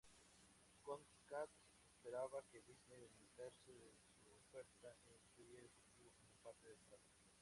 Comcast esperaba que Disney aumentase su oferta e incluyera efectivo como parte del trato.